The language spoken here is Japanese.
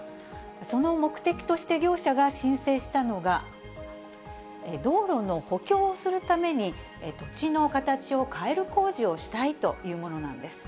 その目的として業者が申請したのが、道路の補強をするために、土地の形を変える工事をしたいというものなんです。